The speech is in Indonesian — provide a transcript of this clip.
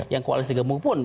yang koalisi gemuk pun